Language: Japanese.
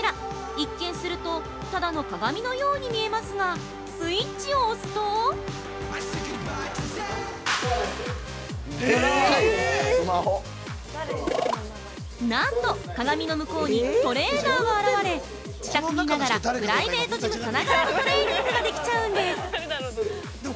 一見すると、ただの鏡のように見えますが、スイッチを押すとなんと鏡の向こうにトレーナーが現れ自宅にいながらでもプライベートジムさながらのトレーニングができちゃうんです。